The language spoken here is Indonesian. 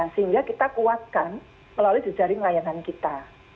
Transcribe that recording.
sehingga kita kuatkan melalui jejaring layanan kita